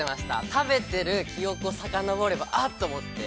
食べている記憶をさかのぼれば、あっ！と思って。